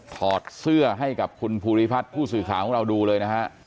ถอดเสื้อให้กับคุณภูริพัฒน์ผู้สื่อข่าวของเราดูเลยนะฮะ